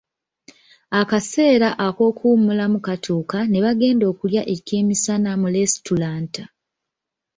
Akaseera ak'okuwummulamu kaatuuka ne bagenda okulya ekyemisana mu lesitulanta.